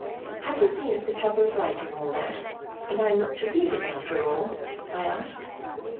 "Have you been at the trouble of writing all that, and am I not to read it after all?" I asked.